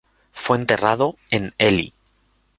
Fue enterrado en Ely.